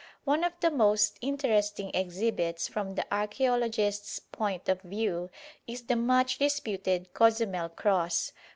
One of the most interesting exhibits from the archæologist's point of view is the much disputed "Cozumel Cross."